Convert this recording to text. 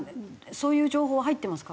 そういう情報は入ってますか？